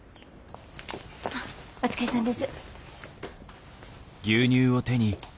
お疲れさんです。